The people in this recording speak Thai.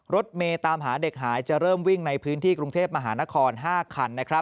รถเมย์ตามหาเด็กหายจะเริ่มวิ่งในพื้นที่กรุงเทพมหานคร๕คัน